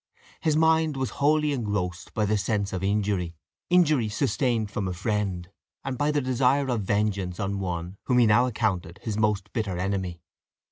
His mind was wholly engrossed by the sense of injury injury sustained from a friend, and by the desire of vengeance on one whom he now accounted his most bitter enemy.